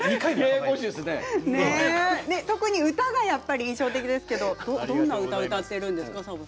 特に歌がやっぱり印象的ですけどどんな歌を歌ってるんですか？